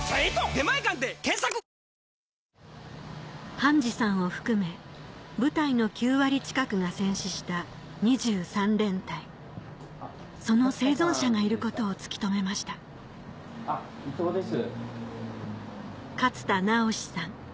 半次さんを含め部隊の９割近くが戦死した２３連隊その生存者がいることを突き止めました伊藤です。